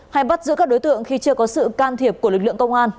hay bắt giữ các đối tượng khi chưa có sự can thiệp của lực lượng công an